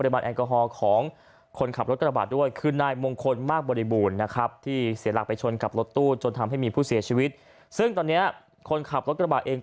ไม่ได้มาสไตล์ที่เบียด